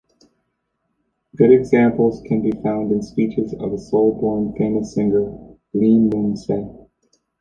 Good examples can be found in speeches of a Seoul-born famous singer, Lee Mun-se.